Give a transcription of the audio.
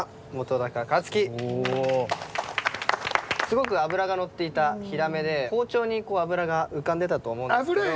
すごく脂がのっていたヒラメで包丁に脂が浮かんでたと思うんですけど。